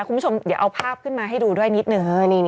คุณผู้ชมเดี๋ยวเอาภาพขึ้นมาให้ดูด้วยนิดหนึ่ง